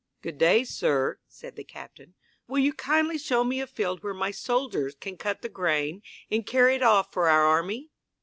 "Good day, sir," said the captain. "Will you kindly show me a field where my soldiers can cut the grain and carry it off for our army?"